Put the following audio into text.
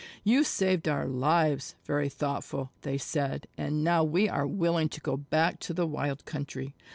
"You saved our lives, Very Thoughtful," they said, "and now we are willing to go back to the wild country."